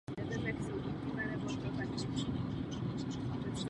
Po skončení basketbalové kariéry se věnuje zejména podnikatelské činnosti.